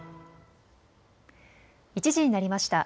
１時になりました。